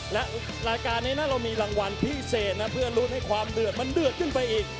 และรายการนี้นะเรามีรางวัลพิเศษนะเพื่อลุ้นให้ความเดือดมันเดือดขึ้นไปอีก